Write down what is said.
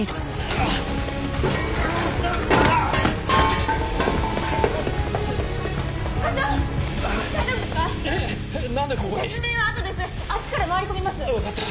あっちから回り込みます。